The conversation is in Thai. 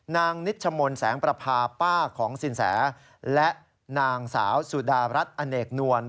นิชมนต์แสงประพาป้าของสินแสและนางสาวสุดารัฐอเนกนวล